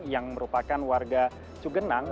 yang merupakan warga cugenang